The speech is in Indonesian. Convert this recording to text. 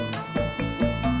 kamu liat pur